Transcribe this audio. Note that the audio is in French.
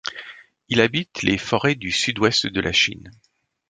Il habite les forêts du Sud-Ouest de la Chine.